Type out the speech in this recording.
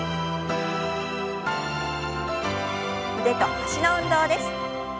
腕と脚の運動です。